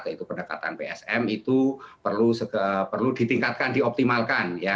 yaitu pendekatan psm itu perlu ditingkatkan dioptimalkan